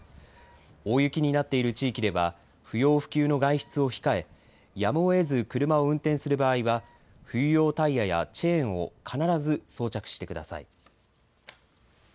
大雪になっている地域では不要不急の外出を控えやむをえず車を運転する場合は冬用タイヤやチェーンを必ず装着してください。